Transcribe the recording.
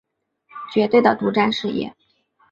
绝对的独占事业